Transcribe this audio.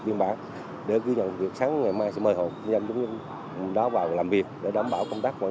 biên bản để ghi nhận việc sáng ngày mai sẽ mời hộ kinh doanh vào làm việc để đảm bảo công tác quản